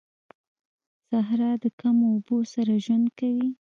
صحرا د کمو اوبو سره ژوند کوي